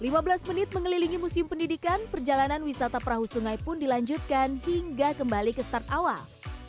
lima belas menit mengelilingi museum pendidikan perjalanan wisata perahu sungai pun dilanjutkan hingga kembali ke start awal